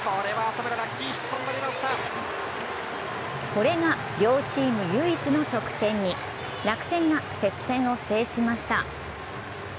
これが両チーム唯一の得点に楽天が接戦を制しました。